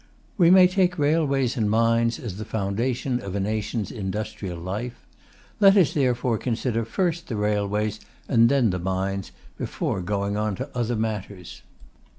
We may take railways and mines as the foundation of a nation's industrial life. Let us therefore consider first the railways and then the mines, before going on to other matters.